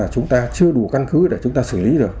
chúng ta chưa đủ căn cứ để chúng ta xử lý rồi